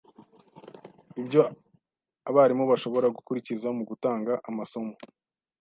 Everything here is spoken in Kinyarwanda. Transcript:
ibyo abarimu bashobora gukurikiza mu gutanga amasomo